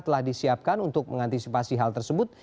telah disiapkan untuk mengantisipasi hal tersebut